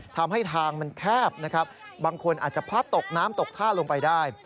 ทำให้ทางมันแคบนะครับบางคนอาจจะพลัดตกน้ำตกท่าลงไปได้